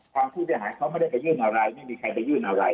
ทางผู้เสียหายเขาไม่ได้ไปยื่นอะไรไม่มีใครไปยื่นอะไร